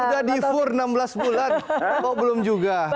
sudah difur enam belas bulan kok belum juga